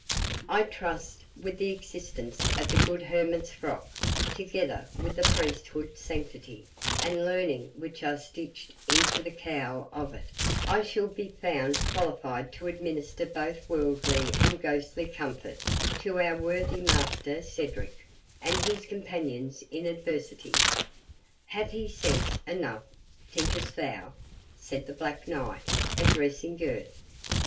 I trust, with the assistance of the good hermit's frock, together with the priesthood, sanctity, and learning which are stitched into the cowl of it, I shall be found qualified to administer both worldly and ghostly comfort to our worthy master Cedric, and his companions in adversity." "Hath he sense enough, thinkst thou?" said the Black Knight, addressing Gurth.